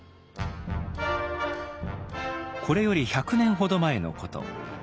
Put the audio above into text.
これより１００年ほど前のこと。